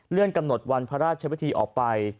กำหนดวันพระราชวิธีออกไป